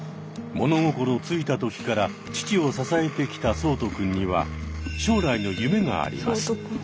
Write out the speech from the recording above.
物心ついた時から父を支えてきた聡人くんには将来の夢があります。